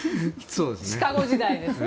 シカゴ時代ですね。